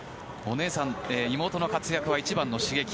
妹の活躍は一番の刺激。